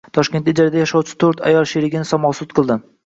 Toshkentda ijarada yashovchi to‘rt ayol sherigini “samosud” qildi